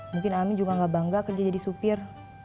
mungkin ami juga gak bangga kerja jadi supir